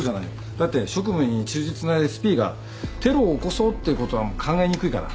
だって職務に忠実なＳＰがテロを起こそうってことは考えにくいから。